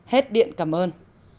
hết điện cảm ơn